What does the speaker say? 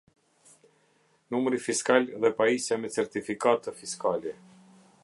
Numri Fiskal dhe pajisja me Certifikatë Fiskale.